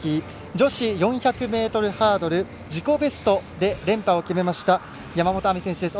女子４００ｍハードル自己ベストで連覇を決めました山本亜美選手です。